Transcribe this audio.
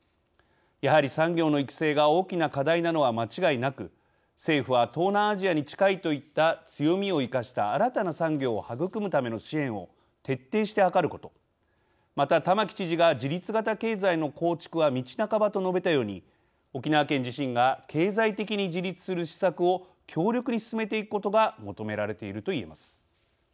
やはり産業の育成が大きな課題なのは間違いなく政府は東南アジアに近いといった強みを生かした新たな産業を育むための支援を徹底して図ることまた玉城知事が「自立型経済の構築は道半ば」と述べたように沖縄県自身が経済的に自立する施策を強力に進めていくことが求められているといえます。